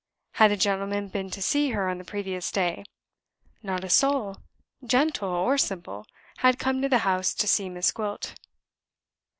Had a gentleman been to see her on the previous day? Not a soul, gentle or simple, had come to the house to see Miss Gwilt.